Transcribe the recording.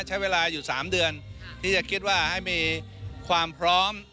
ใช้เวลาอยู่๓เดือนที่จะคิดว่าให้มีความพร้อม